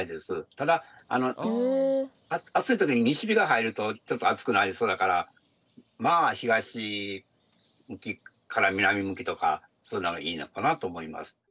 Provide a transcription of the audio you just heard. ただ暑い時に西日が入るとちょっと暑くなりそうだからまあ東向きから南向きとかそういうのがいいのかなと思います。